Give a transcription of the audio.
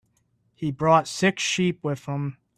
He brought six sheep with him.